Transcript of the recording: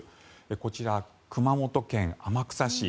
こちら、熊本県天草市。